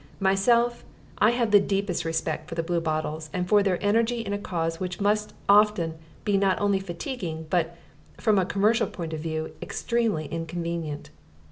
Myself, I have the deepest respect for the Bluebottles and for their energy in a cause which must often be not only fatiguing, but, from a commercial point of view, extremely inconvenient.